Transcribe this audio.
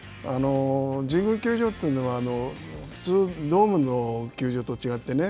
神宮球場というのは、普通、ドームの球場と違ってね